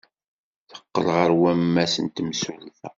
Teqqel ɣer wammas n temsulta.